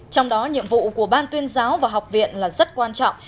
trong đó nhiệm vụ của ban tuyên giáo và học viện là rất quan trọng